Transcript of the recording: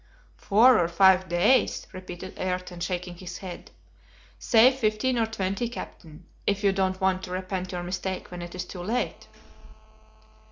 "Four or five days!" repeated Ayrton, shaking his head; "say fifteen or twenty, Captain, if you don't want to repent your mistake when it is too late."